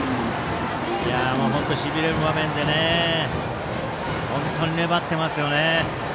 本当にしびれる場面で粘ってますよね。